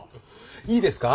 いいですか？